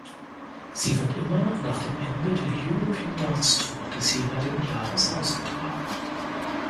Sie wird immer nach dem Ende der European Darts Tour des jeweiligen Jahres ausgetragen.